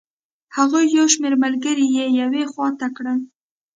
هغوی یو شمېر ملګري یې یوې خوا ته کړل.